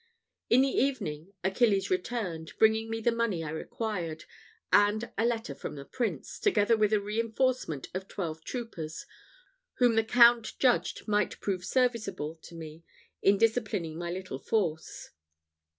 In the evening Achilles returned, bringing me the money I required; and a letter from the Prince, together with a reinforcement of twelve troopers, whom the Count judged might prove serviceable to me in disciplining my little force.